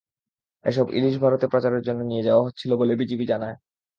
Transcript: এসব ইলিশ ভারতে পাচারের জন্য নিয়ে যাওয়া হচ্ছিল বলে বিজিবি জানায়।